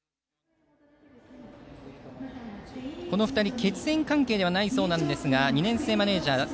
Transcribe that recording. この２人、血縁関係ではないそうですが２年生マネージャー